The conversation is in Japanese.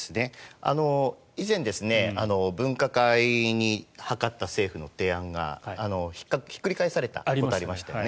以前、分科会に諮った政府の提案がひっくり返されたことがありましたよね。